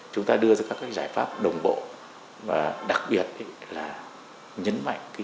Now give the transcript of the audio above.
chúng ta đưa ra các giải pháp đồng bộ đặc biệt là nhấn mạnh thái độ trách nhiệm